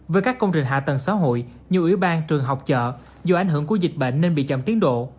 với các công trình hạ tầng xã hội như ủy ban trường học chợ do ảnh hưởng của dịch bệnh nên bị chậm tiến độ